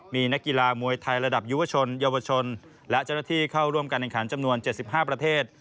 มีนักกีฬามวยไทยระดับยุวชนเยาวชนและเจ้าหน้าที่เข้าร่วมการแข่งขันจำนวน๗๕ประเทศ